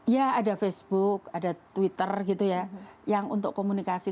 ya ada facebook ada twitter gitu ya yang untuk komunikasi